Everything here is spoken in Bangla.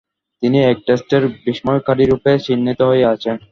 তিনি এক টেস্টের বিস্ময়কারীরূপে চিহ্নিত হয়ে আছেন।